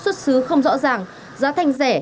xuất xứ không rõ ràng giá thanh rẻ